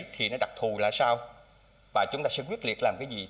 hai nghìn một mươi bảy thì nó đặc thù là sao và chúng ta sẽ quyết liệt làm cái gì